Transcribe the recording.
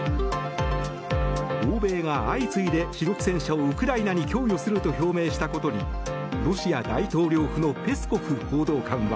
欧米が相次いで主力戦車をウクライナに供与すると表明したことにロシア大統領府のペスコフ報道官は。